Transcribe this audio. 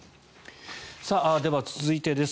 では続いてです。